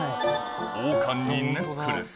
王冠にネックレス